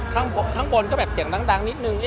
ข้างบนก็แบบเสียงดังนิดนึง